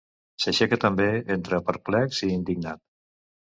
S'aixeca també, entre perplex i indignat.